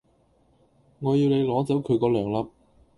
我要你攞走佢果兩粒